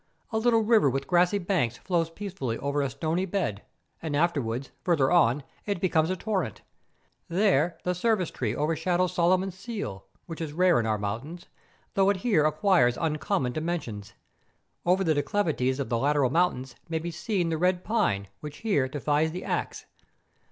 A little river with grassy banks flows peacefully over a stony bed, and afterwards, further on, it becomes a torrent. There, the service tree overshadows Solo¬ mon's seal, which is rare in our mountains, though it MONT PERDU. 131 here acquires uncommon dimensions. Over the de¬ clivities of the lateral mountains may be seen the red pine which here defies the axe.